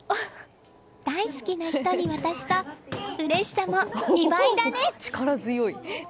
大好きな人に渡すとうれしさも２倍だね！